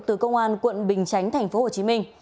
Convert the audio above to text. từ công an quận bình chánh tp hcm